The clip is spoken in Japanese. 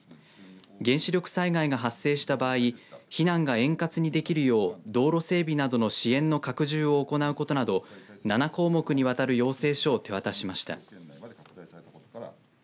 原子力災害が発生した場合避難が円滑にできるよう道路整備などの支援の拡充を行うことなど７項目にわたる要請書を手渡しました。